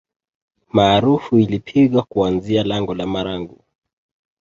Maarufu ilipigwa kuanzia lango la marangu